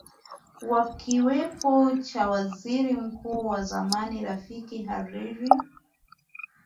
wakipo cha waziri mkuu wa zamani rafirik hariri